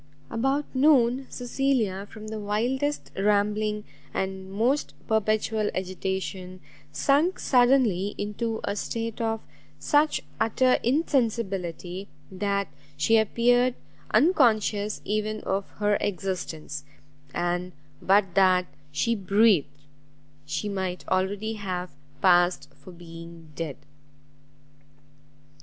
About noon, Cecilia, from the wildest rambling and most perpetual agitation, sunk suddenly into a state of such utter insensibility, that she appeared unconscious even of her existence; and but that she breathed, she might already have passed for being dead.